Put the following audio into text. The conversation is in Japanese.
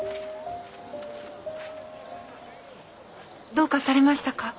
どうかされましたか？